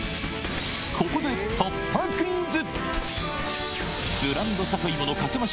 ここで突破クイズ！